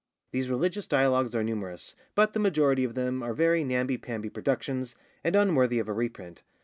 These religious dialogues are numerous, but the majority of them are very namby pamby productions, and unworthy of a reprint.